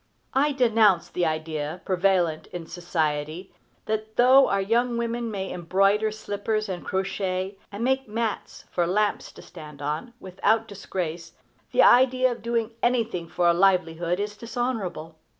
I denounce the idea, prevalent in society, that though our young women may embroider slippers, and crochet, and make mats for lamps to stand on, without disgrace, the idea of doing anything for a livelihood is dishonorable.